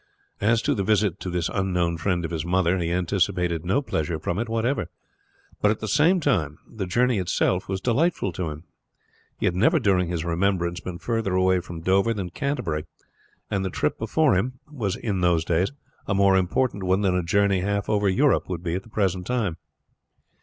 As to the visit to this unknown friend of his mother, he anticipated no pleasure from it whatever; but at the same time the journey itself was delightful to him. He had never during his remembrance been further away from Dover than Canterbury; and the trip before him was in those days a more important one than a journey half over Europe would be at the present time.